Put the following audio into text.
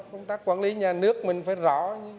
công tác quản lý nhà nước mình phải rõ